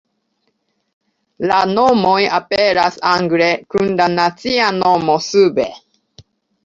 La nomoj aperas angle kun la nacia nomo sube.